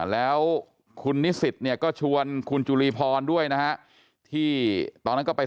แล้วคุณนิสิตเนี่ยก็ชวนคุณจุลีพรด้วยนะฮะที่ตอนนั้นก็ไป